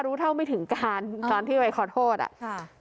รู้เท่าไม่ถึงการตอนที่ไปขอโทษอ่ะค่ะ